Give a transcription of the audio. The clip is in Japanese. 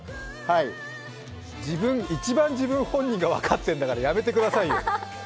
一番自分、本人が分かっているんだから、やめてくださいよ。